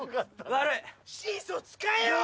悪い。